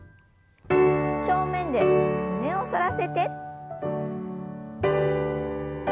正面で胸を反らせて。